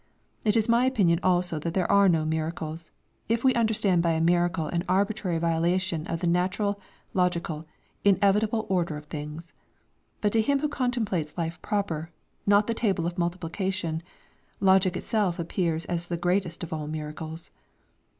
It is my opinion also that there are no miracles, if we understand by a miracle an arbitrary violation of the natural, logical, inevitable order of things. But to him who contemplates life proper, not the table of multiplication, logic itself appears as the greatest of all miracles.